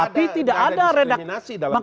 tidak ada diskriminasi dalam munas